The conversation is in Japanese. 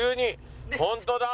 ホントだ！